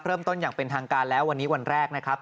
เริ่มต้นอย่างเป็นทางการแล้ววันนี้วันแรกนะครับ